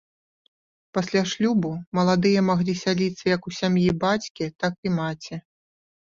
Пасля шлюбу маладыя маглі сяліцца як у сям'і бацькі, так і маці.